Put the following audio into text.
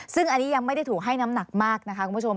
ซึ่งอันนี้ยังไม่ได้ถูกให้น้ำหนักมากนะคะคุณผู้ชม